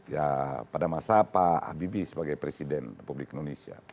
ya pada masa pak habibie sebagai presiden republik indonesia